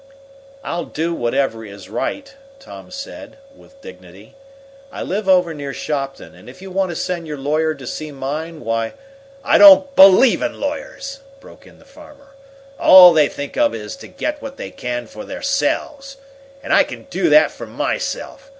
"I'll do whatever is right," Tom said, with dignity. "I live over near Shopton, and if you want to send your lawyer to see mine, why " "I don't believe in lawyers!" broke in the farmer. "All they think of is to get what they can for theirselves. And I can do that myself.